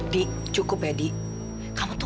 dik cukup ya dik